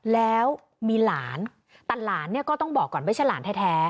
แล้วมีหลานแต่หลานเนี่ยก็ต้องบอกก่อนไม่ใช่หลานแท้